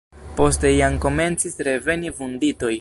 Poste jam komencis reveni vunditoj.